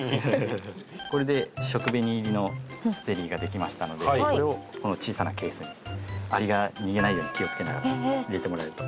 これで食紅入りのゼリーができましたのでこれをこの小さなケースにアリが逃げないように気を付けながら入れてもらえると。